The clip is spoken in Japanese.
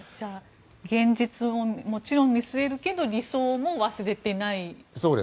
現実をもちろん見据えるけど理想も忘れていない。